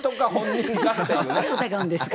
そっちを疑うんですか。